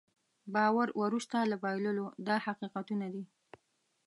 باور وروسته له بایللو دا حقیقتونه دي.